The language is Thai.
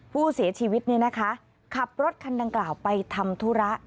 ผู้เสียชีวิตเนี่ยนะคะขับรถคันดังกล่าวไปทำธุระ